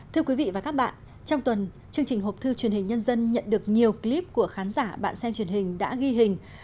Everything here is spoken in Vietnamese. thưa quý vị và các bạn trong tuần chương trình hộp thư truyền hình nhân dân nhận được nhiều clip của khán giả bạn xem truyền hình đã ghi hình